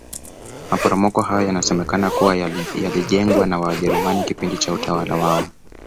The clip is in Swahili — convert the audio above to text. maporomoko hayo yanasenekana kuwa yalijengwa na wajerumani kipindi cha utawala wao